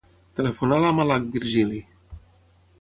Telefona a la Malak Virgili.